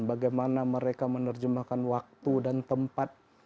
bagaimana mereka menerjemahkan waktu dan tempat